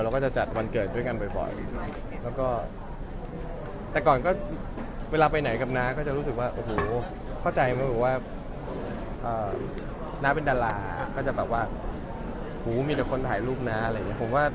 แล้วก็แต่ก่อนเราไปเที่ยวต่างจังหวัดจังบ่อยเพราะว่าผมเองกับเครงของ